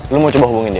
lo mau coba hubungin dia